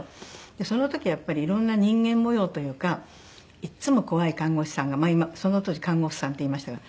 その時はやっぱりいろんな人間模様というかいつも怖い看護師さんがその当時「看護婦さん」って言いましたが。